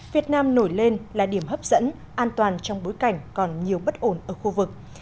việt nam nổi lên là điểm hấp dẫn an toàn trong bối cảnh còn nhiều bất ổn ở khu vực